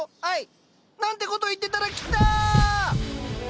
愛！なんてこと言ってたら来た！